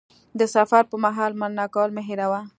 د سفر پر مهال مننه کول مه هېروه.